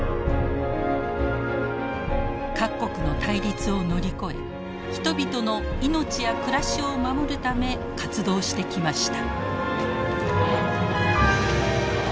各国の対立を乗り越え人々の命や暮らしを守るため活動してきました。